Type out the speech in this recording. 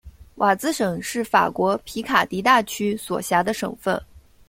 瓦兹省是法国皮卡迪大区所辖的省份。